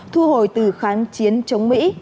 thu hồi từ kháng chiến chống mỹ